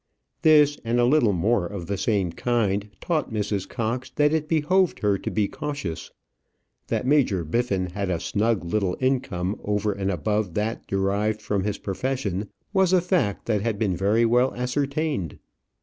This, and a little more of the same kind, taught Mrs. Cox that it behoved her to be cautious. That Major Biffin had a snug little income over and above that derived from his profession was a fact that had been very well ascertained.